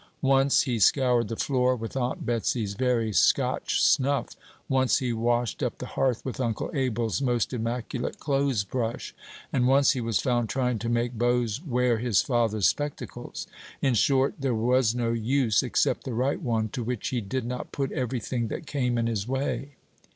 Once he scoured the floor with Aunt Betsey's very Scotch snuff; once he washed up the hearth with Uncle Abel's most immaculate clothes brush; and once he was found trying to make Bose wear his father's spectacles. In short, there was no use, except the right one, to which he did not put every thing that came in his way.